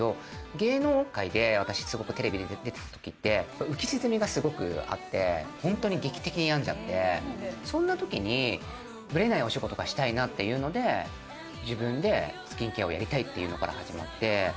芸能界でテレビ出てたときって浮き沈みがすごくあって劇的に病んじゃってそんなときにぶれないお仕事がしたいなっていうので自分でスキンケアをやりたいっていうのから始まって。